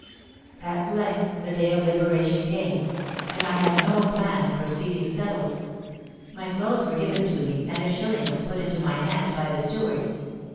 "At length the day of liberation came—and I had no plan of proceedings settled. My clothes were given to me, and a shilling was put into my hand by the steward.